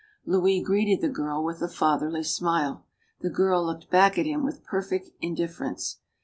Louis greeted the girl with a fatherly smile. The girl looked back at him with perfect indifference.